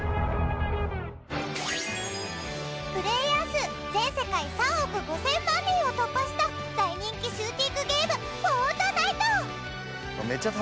プレイヤー数全世界３億５０００万人を突破した大人気シューティングゲーム『ＦＯＲＴＮＩＴＥ』。